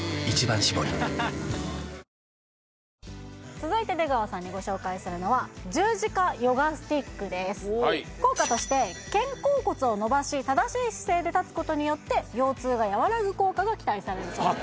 続いて出川さんにご紹介するのは十字架ヨガスティックです効果として肩甲骨を伸ばし正しい姿勢で立つことによって腰痛が和らぐ効果が期待されるそうです